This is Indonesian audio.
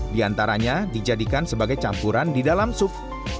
di antaranya dijadikan sebagai campuran di dalam sup